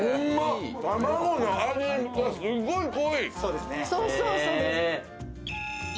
卵の味がすっごい濃い。